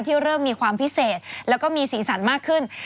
เริ่มมีความพิเศษแล้วก็มีสีสันมากขึ้น